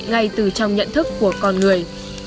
ngay từ trong nhận thức của con người